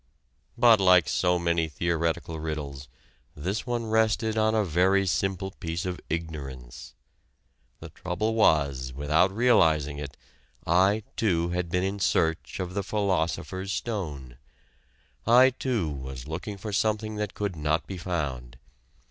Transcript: But like so many theoretical riddles, this one rested on a very simple piece of ignorance. The trouble was that without realizing it I too had been in search of the philosopher's stone. I too was looking for something that could not be found.